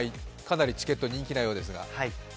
かなりチケット人気なようですが。